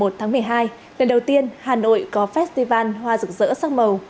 lần đầu tiên hà nội có festival hoa rực rỡ sắc màu